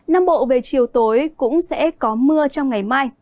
nam bộ về chiều tối cũng sẽ có mưa trong ngày mai